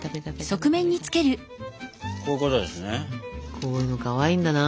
こういうのかわいいんだな。